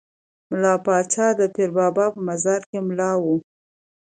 ملا پاچا د پیر بابا په مزار کې ملا وو.